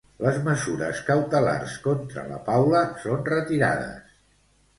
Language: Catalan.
Les mesures cautelars contra la Paula són retirades.